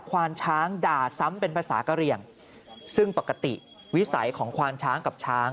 ควานช้างด่าซ้ำเป็นภาษากะเหลี่ยงซึ่งปกติวิสัยของควานช้างกับช้าง